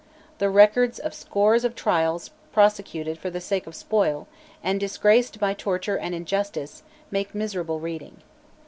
The records of scores of trials prosecuted for the sake of spoil, and disgraced by torture and injustice, make miserable reading.